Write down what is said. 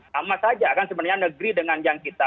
sama saja kan sebenarnya negeri dengan yang kita